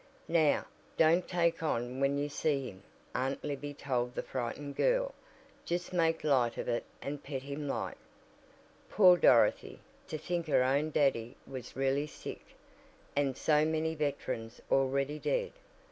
"Now, don't take on when you see him," Aunt Libby told the frightened girl. "Just make light of it and pet him like." Poor Dorothy! To think her own "Daddy" was really sick and so many veterans already dead!